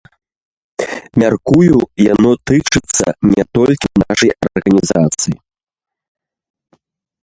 Мяркую, яно тычыцца не толькі нашай арганізацыі.